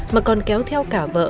mà còn kéo theo cả vợ